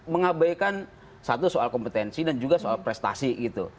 mengabaikan satu soal kompetensi dan juga soal prestasi gitu